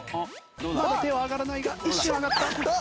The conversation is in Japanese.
まだ手は上がらないが一瞬上がった。